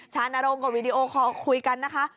ชานโรงกับวีดีโอคอลคุยกันนะคะ